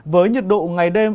với nhiệt độ ngày đêm